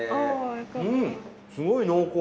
うんすごい濃厚。